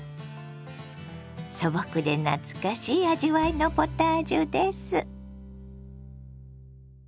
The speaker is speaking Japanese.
素朴で懐かしい味わいのポタージュです。